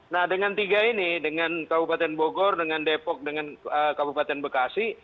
nah dengan tiga ini dengan kabupaten bogor dengan depok dengan kabupaten bekasi